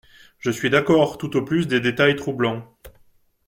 Je suis d’accord, tout au plus des détails troublants.